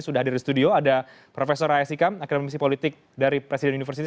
sudah hadir di studio ada profesor aya sikam akademi misi politik dari presiden universitas